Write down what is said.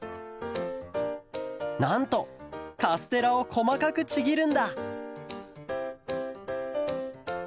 なんとカステラをこまかくちぎるんだ！